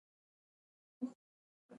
داسي څوک واوسه، چي په سته والي دي ارامي راسي.